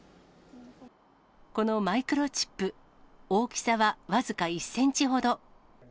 このマイクロチップ、大きさは僅か１センチほど。